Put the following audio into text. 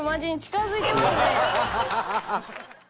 ハハハハ！